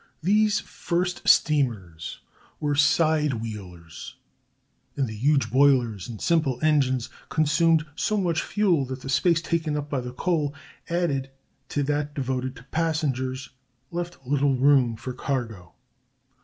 These first steamers were side wheelers, and their huge boilers and simple engines consumed so much fuel that the space taken up by the coal, added to that devoted to passengers, left little room for cargo.